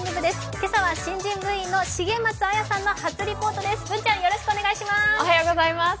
今朝は新人部員の重松文さんの初リポートです。